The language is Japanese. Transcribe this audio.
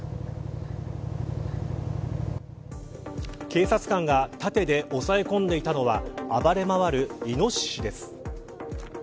警察官が盾で抑え込んでいたのは暴れまわるイノシシです。